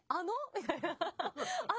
みたいな。